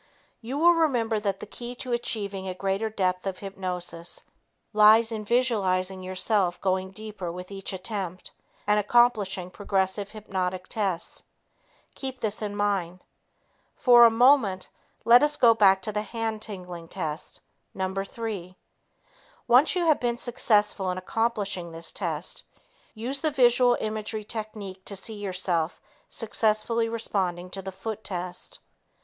You will remember that the key to achieving a greater depth of hypnosis lies in visualizing yourself going deeper with each attempt and accomplishing progressive hypnotic tests. Keep this in mind. For a moment, let us go back to the hand tingling test No. 3. Once you have been successful in accomplishing this test, use the visual imagery technique to see yourself successfully responding to the foot test.